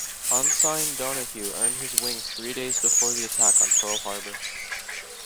Ensign Donahue earned his wings three days before the attack on Pearl Harbor.